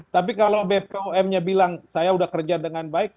tapi kalau bpom nya bilang saya sudah kerja dengan baik